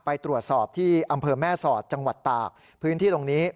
ไปตรวจสอบที่อำเภอแม่สอดจังหวัดตากพื้นที่ตรงนี้